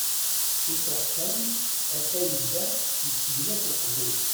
Ciṭuḥ kan, ata yebda yesseglaf uqjun.